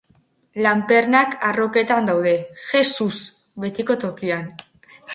Lanpernak arroketan daude, Jesus!, betiko tokian.